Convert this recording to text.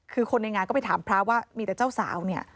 คือคนในงานก็ไปถามพระว่ามีแต่เจ้าสาวเนี่ย